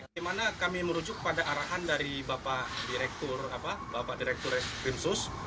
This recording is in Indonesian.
di mana kami merujuk pada arahan dari bapak direktur krimsus